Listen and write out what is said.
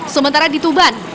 sementara di tuban